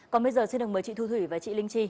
còn bây giờ xin được mời chị thu thủy và chị linh chi